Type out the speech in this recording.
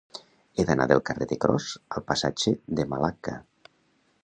He d'anar del carrer de Cros al passatge de Malacca.